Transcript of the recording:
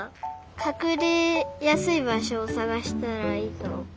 かくれやすいばしょをさがしたらいいと。